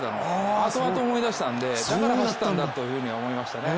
あとあと思い出したのでだから走ったんだと思いましたね。